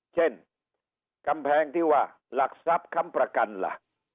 เช่นกำแพงที่ว่าหลักทรัพย์ค้ำประกันล่ะ